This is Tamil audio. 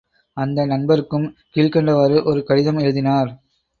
அந்த நண்பருக்கும் கீழ்க் கண்டவாறு ஒரு கடிதம் எழுதினார்.